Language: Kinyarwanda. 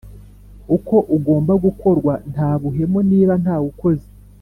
uko ugomba gukorwa nta buhemu Niba ntawukoze